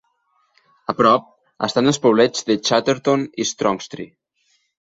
A prop, estan els poblets de Chatterton i Strongstry.